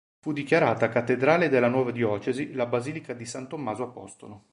Fu dichiarata cattedrale della nuova diocesi, la basilica di San Tommaso Apostolo.